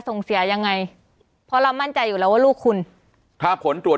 ส่งเสียยังไงเพราะเรามั่นใจอยู่แล้วว่าลูกคุณถ้าผลตรวจ